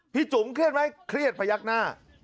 จุ๋มเครียดไหมเครียดพยักหน้า